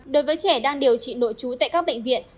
đối với trẻ đang điều trị nội trú tại các bệnh viện